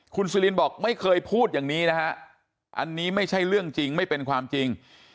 คุณซิลินบอกไม่เคยพูดอย่างนี้นะฮะอันนี้ไม่ใช่เรื่องจริงไม่เป็นความจริง